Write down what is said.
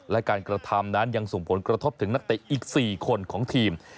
และการกระทำนั้นยังส่งผลกระทบถึงนักเตะอีก๔คนของทีม